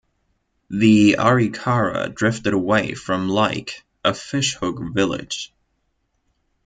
The Arikara drifted away from Like a Fishhook Village.